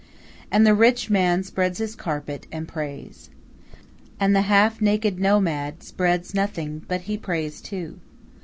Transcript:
And the rich man spreads his carpet, and prays. And the half naked nomad spreads nothing; but he prays, too.